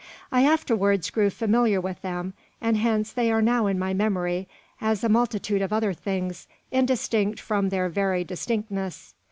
I afterwards grew familiar with them; and hence they are now in my memory, as a multitude of other things, indistinct from their very distinctness.